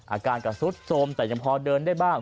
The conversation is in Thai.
อาการก็ซุดโทรมแต่ยังพอเดินได้บ้าง